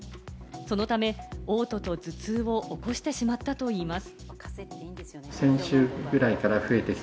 そのため、嘔吐と頭痛を起こしてしまったといいます。